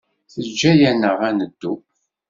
Yeǧǧa-aneɣ ad neddu.